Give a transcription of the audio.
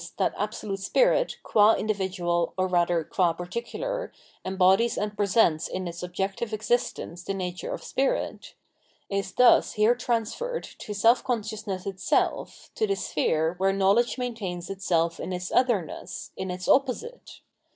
that Absolute Spirit, qua individual or rather qua particular, embodies and presents in its objective exist ence the nature of spirit — is thus here transferred to self consciousness itself, to the sphere where knowledge main tains itself in its otherness, in its opposite.